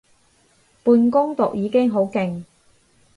半工讀已經好勁